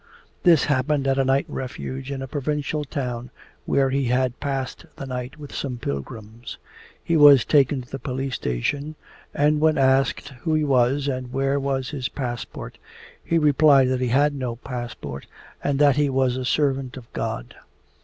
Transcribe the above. This happened at a night refuge in a provincial town where he had passed the night with some pilgrims. He was taken to the police station, and when asked who he was and where was his passport, he replied that he had no passport and that he was a servant of God.